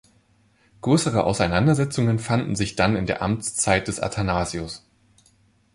Größere Auseinandersetzungen fanden sich dann in der Amtszeit des Athanasius.